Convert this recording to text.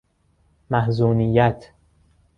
محزونیت